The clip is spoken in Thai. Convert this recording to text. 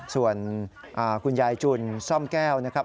ส่วนคุณยายจุนซ่อมแก้วนะครับ